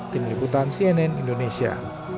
tim liputan cnn indonesia